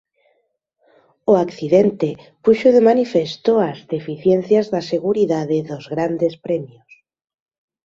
O accidente puxo de manifesto as deficiencias da seguridade dos Grandes Premios.